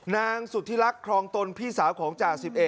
นางสุธิรักษรองตนพี่สาวของจ่า๑๑